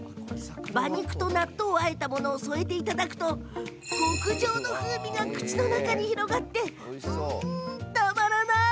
馬肉と納豆をあえたものを添えていただくと極上の風味が口の中に広がります。